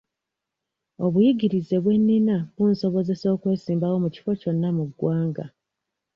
Obuyigirize bwe nnina bunsobozesa okwesimbawo ku kifo kyonna mu ggwanga.